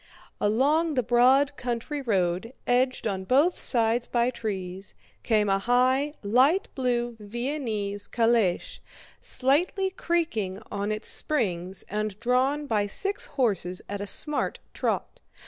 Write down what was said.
Along the broad country road, edged on both sides by trees, came a high, light blue Viennese calèche, slightly creaking on its springs and drawn by six horses at a smart trot.